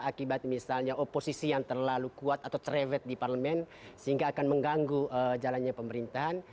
akibat misalnya oposisi yang terlalu kuat atau cerewet di parlemen sehingga akan mengganggu jalannya pemerintahan